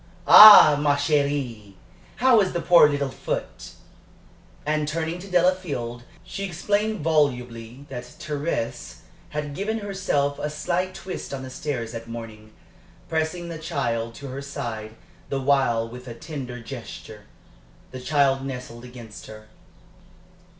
"Ah, ma chérie! How is the poor little foot?" And turning to Delafield, she explained volubly that Thérèse had given herself a slight twist on the stairs that morning, pressing the child to her side the while with a tender gesture. The child nestled against her.